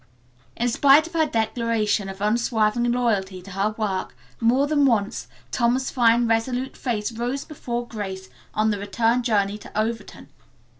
In spite of her declaration of unswerving loyalty to her work, more than once, Tom's fine resolute face rose before Grace on the return journey to Overton.